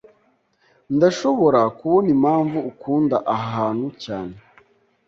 Ndashobora kubona impamvu ukunda aha hantu cyane.